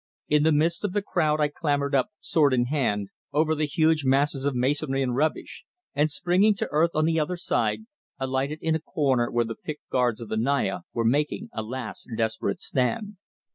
In the midst of the crowd I clambered up, sword in hand, over the huge masses of masonry and rubbish, and springing to earth on the other side, alighted in a corner where the picked guards of the Naya were making a last desperate stand.